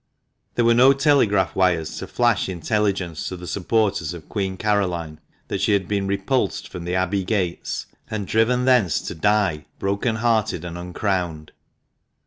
There were no telegraph wires to flash intelli gence to the supporters of Queen Caroline that she had been repulsed from the Abbey gates, and driven thence to die broken hearted and uncrowned.